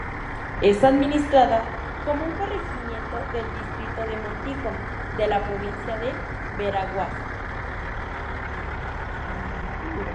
Es administrada como un corregimiento del distrito de Montijo de la provincia de Veraguas.